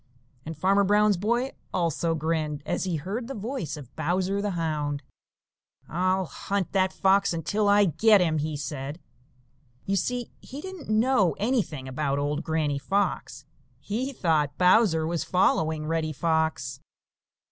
And Farmer Brown's boy also grinned, as he heard the voice of Bowser the Hound. "I'll hunt that fox until I get him," he said. You see, he didn't know anything about old Granny Fox; he thought Bowser was following Reddy Fox.